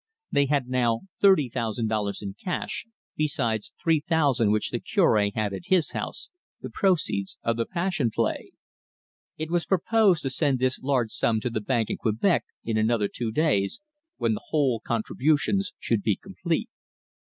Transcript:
They had now thirty thousand dollars in cash, besides three thousand which the Cure had at his house, the proceeds of the Passion Play. It was proposed to send this large sum to the bank in Quebec in another two days, when the whole contributions should be complete.